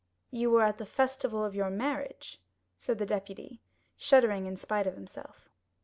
"You were at the festival of your marriage?" said the deputy, shuddering in spite of himself.